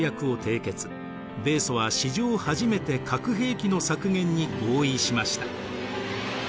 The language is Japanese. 米ソは史上初めて核兵器の削減に合意しました。